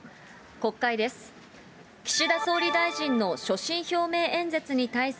国会です。